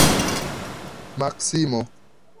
Maksimo!